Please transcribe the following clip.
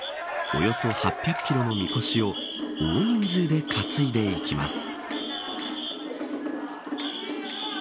およそ８００キロのみこしを大人数で担いでいきます。